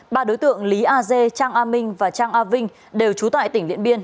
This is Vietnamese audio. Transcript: ba đối tượng lý a g trang a minh và trang a vinh đều trú tại tỉnh liện biên